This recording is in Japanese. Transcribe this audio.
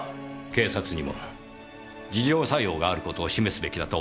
警察にも自浄作用がある事を示すべきだと思いまして。